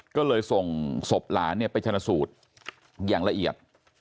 ก็เลยส่งศพหลานไปชนะสูตรอย่างละเอียด